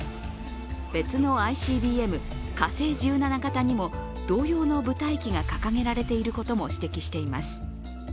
別のＩＣＢＭ、火星１７型にも同様の部隊旗が掲げられていることも指摘しています。